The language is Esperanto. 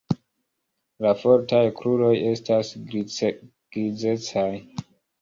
La fortaj kruroj estas grizecaj.